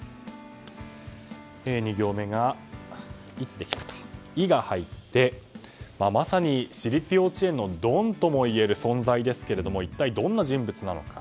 ２行目、いつできた？の「イ」が入ってまさに私立幼稚園のドンともいえる存在ですが一体、どんな人物なのか。